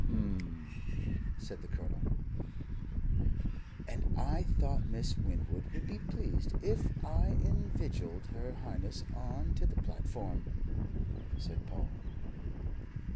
"H'm!" said the Colonel. "And I thought Miss Winwood would be pleased if I inveigled Her Highness on to the platform," said Paul.